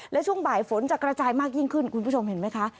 และช่วงบ่ายฝนจะกระจายมากยิ่งขึ้นคุณผู้ชมเห็นไหมคะ